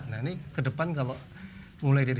nah ini ke depan kalau mulai dari